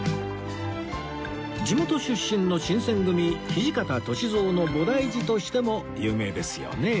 地元出身の新選組土方歳三の菩提寺としても有名ですよね